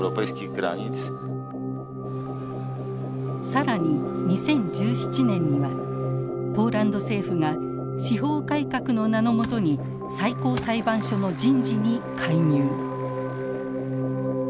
更に２０１７年にはポーランド政府が司法改革の名の下に最高裁判所の人事に介入。